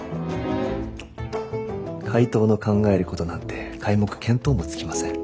怪盗の考えることなんて皆目見当もつきません。